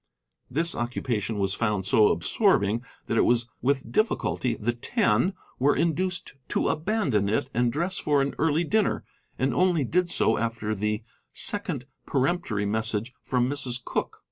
This occupation was found so absorbing that it was with difficulty the Ten were induced to abandon it and dress for an early dinner, and only did so after the second peremptory message from Mrs. Cooke.